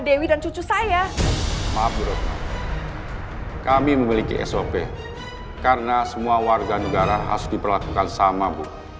dewi dan cucu saya maaf bu rok kami memiliki sop karena semua warga negara harus diperlakukan sama bu